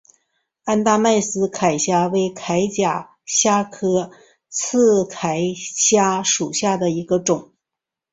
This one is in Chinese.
安达曼刺铠虾为铠甲虾科刺铠虾属下的一个种。